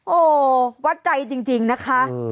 โอ้โหวัดใจจริงนะคะ